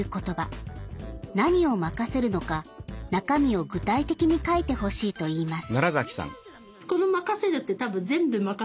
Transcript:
何を任せるのか中身を具体的に書いてほしいと言います。